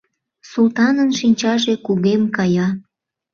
— Султанын шинчаже кугем кая.